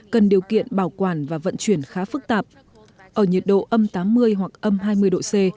cần điều kiện bảo quản và vận chuyển khá phức tạp ở nhiệt độ âm tám mươi hoặc âm hai mươi độ c